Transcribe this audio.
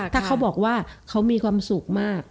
ถ้าเขาบอกว่าเขามีความสุขมาก